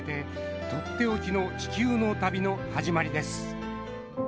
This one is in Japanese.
「とっておきの地球の旅の始まりです」。